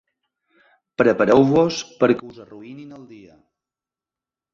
Prepareu-vos perquè us arruïnin el dia.